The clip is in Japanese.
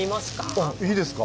あっいいですか？